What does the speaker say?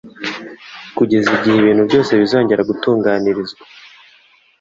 Kugeza igihe «ibintu byose bizongera gutunganirizwa